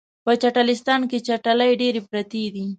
په چټلستان کې چټلۍ ډیرې پراتې دي